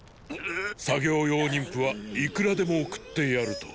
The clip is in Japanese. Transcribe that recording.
「作業用人夫はいくらでも送ってやる」と。！